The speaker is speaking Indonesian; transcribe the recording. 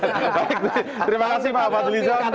terima kasih pak fadli zon